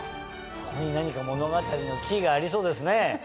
そこに何か物語のキーがありそうですね。